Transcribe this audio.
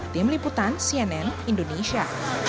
di meliputan cnn indonesia